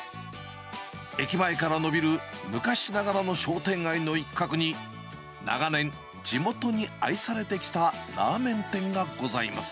駅前から延びる昔ながらの商店街の一角に、長年、地元に愛されてきたラーメン店がございます。